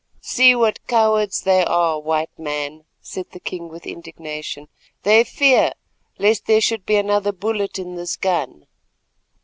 "See what cowards they are, White Man," said the king with indignation; "they fear lest there should be another bullet in this gun."